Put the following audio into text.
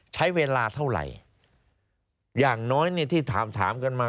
ใช้เวลาเท่าไหร่อย่างน้อยเนี่ยที่ถามถามกันมา